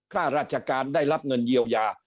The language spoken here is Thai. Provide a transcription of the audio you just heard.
ข้าราชการได้รับเงินเยียวยา